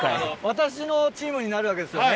私のチームになるわけですよね。